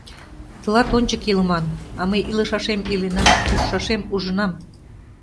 Тылат ончык илыман, а мый илышашем иленам, ужшашем ужынам!